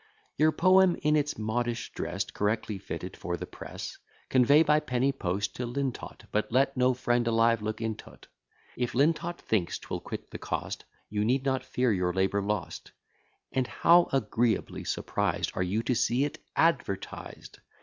Your poem in its modish dress, Correctly fitted for the press, Convey by penny post to Lintot, But let no friend alive look into't. If Lintot thinks 'twill quit the cost, You need not fear your labour lost: And how agreeably surprised Are you to see it advertised!